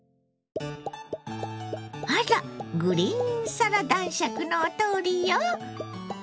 あらグリーンサラ男爵のお通りよ。